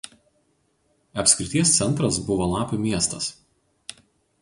Apskrities centras buvo Lapių miestas.